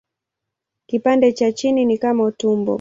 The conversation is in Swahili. Kipande cha chini ni kama tumbo.